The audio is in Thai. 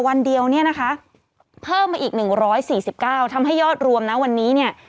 วันเดียวเพิ่มมาอีก๑๔๙ทำให้ยอดรวมนะวันนี้